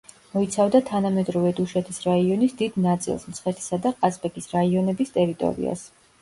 მოიცავდა თანამედროვე დუშეთის რაიონის დიდ ნაწილს, მცხეთისა და ყაზბეგის რაიონების ტერიტორიას.